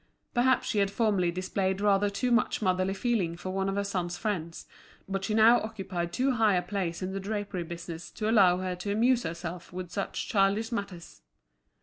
Perhaps she had formerly displayed rather too much motherly feeling for one of her son's friends, but she now occupied too high a place in the drapery business to allow her to amuse herself with such childish matters.